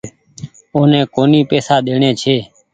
اوني ڪونيٚ پئيسا ڏيڻي ڇي۔